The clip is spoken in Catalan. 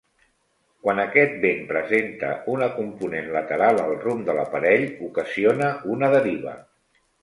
Quan aquest vent presenta una component lateral al rumb de l'aparell, ocasiona una deriva.